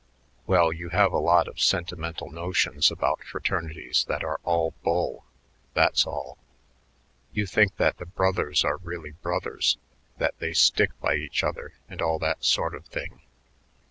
"Well, you have a lot of sentimental notions about fraternities that are all bull; that's all. You think that the brothers are really brothers, that they stick by each other and all that sort of thing.